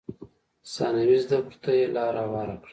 ثانوي زده کړو ته یې لار هواره کړه.